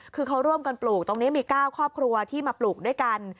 คือเขาร่วมกันปลูกตรงนี้มี๙ครอบครัวที่มาปลูกด้วยกัน